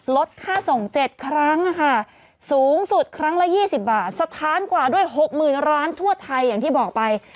ลดค่าส่งเจ็ดครั้งค่ะสูงสุดครั้งละยี่สิบบาทสถานกว่าด้วยหกหมื่นร้านทั่วไทยอย่างที่บอกไป